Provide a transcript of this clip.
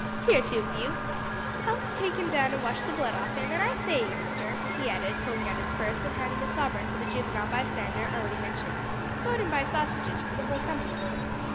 "Here, two of you, help to take him down and wash the blood off him; and I say, youngster," he added, pulling out his purse and handing a sovereign to the juvenile bystander already mentioned, "go out and buy sausages for the whole company."